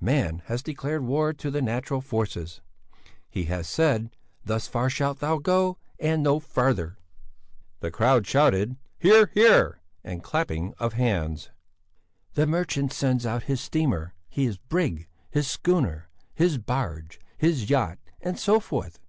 Man has declared war to the natural forces; he has said, 'Thus far shalt thou go and no farther!'" "Hear! hear!" and clapping of hands. "The merchant sends out his steamer, his brig, his schooner, his barge, his yacht, and so forth.